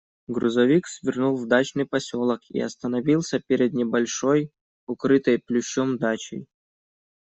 Грузовик свернул в дачный поселок и остановился перед небольшой, укрытой плющом дачей.